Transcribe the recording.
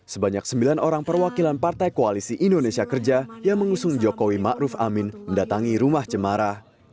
sebanyak sembilan orang perwakilan partai koalisi indonesia kerja yang mengusung jokowi ma'ruf amin mendatangi rumah cemarah